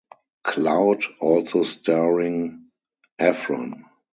Cloud, also starring Efron.